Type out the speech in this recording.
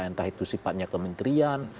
entah itu sifatnya kementerian